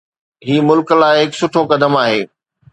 هي ملڪ لاءِ هڪ سٺو قدم آهي.